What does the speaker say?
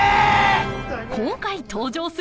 今回登場するのは。